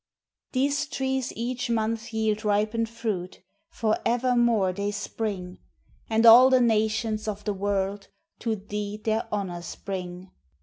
These trees each month yield ripened fruit For evermore they spring; And all the nations of the world To thee their honors bring.